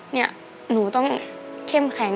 เนี่ยหนูต้องเข้มแข็ง